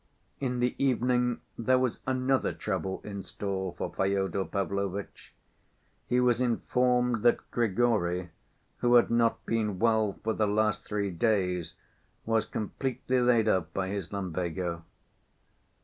In the evening there was another trouble in store for Fyodor Pavlovitch; he was informed that Grigory, who had not been well for the last three days, was completely laid up by his lumbago.